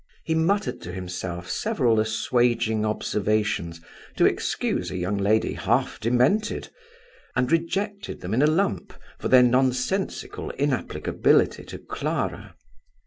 He muttered to himself several assuaging observations to excuse a young lady half demented, and rejected them in a lump for their nonsensical inapplicability to Clara.